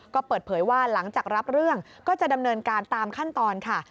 ก็เปิดเผยว่าหลังจากรับเรื่องก็จะดำเนินการตามขั้นตอนค่ะ